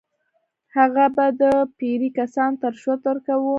هغه به د پیرې کسانو ته رشوت ورکاوه.